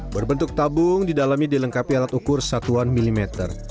berbentuk tabung di dalamnya dilengkapi alat ukur satuan milimeter